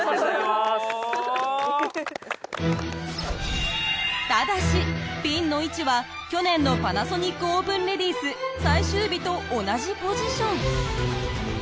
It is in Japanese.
ただしピンの位置は去年のパナソニックオープンレディース最終日と同じポジション。